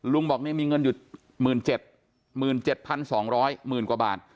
ลุงบอกมีเงินอยู่๑๗๒๐๐บาท